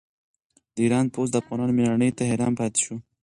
د ایران پوځ د افغانانو مېړانې ته حیران پاتې شو.